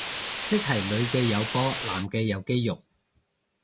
即係女嘅有波男嘅有肌肉